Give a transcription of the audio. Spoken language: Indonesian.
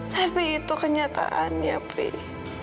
tapi itu kenyataan ya pei